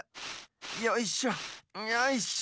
よいしょよいしょ。